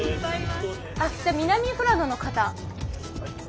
じゃあ南富良野の方。